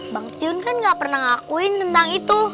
bang cion kan gak pernah ngakuin tentang itu